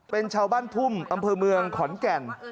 เป็นชาวบ้านพุ่มอำเภอเมืองขอนแก่น